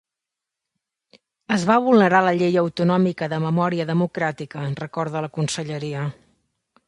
Es va vulnerar la llei autonòmica de memòria democràtica, recorda la conselleria.